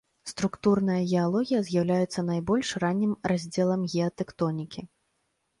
Структурная геалогія з'яўляецца найбольш раннім раздзелам геатэктонікі.